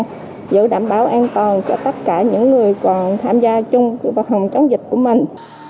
giữ đảm bảo an toàn cho tất cả những người còn tham gia chung vào phòng chống dịch của mình